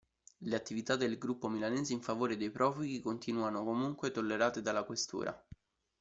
Le attività del gruppo milanese in favore dei profughi continuano comunque, tollerate dalla Questura.